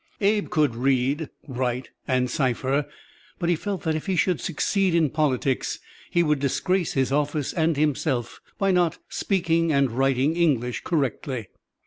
Abe could read, write and cipher, but he felt that if he should succeed in politics, he would disgrace his office and himself by not speaking and writing English correctly.